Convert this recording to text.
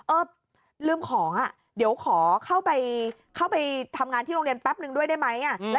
เออลืมของอ่ะเดี๋ยวขอเข้าไปทำงานที่โรงเรียนแป๊บนึงด้วยได้ไหม